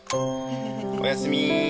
おやすみ。